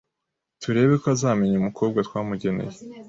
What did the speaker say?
turebe ko azamenya umukobwa twamugeneye